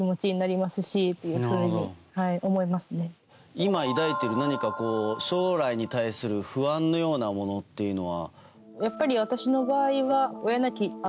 今、抱いている何か将来に対する不安のようなものっていうのは。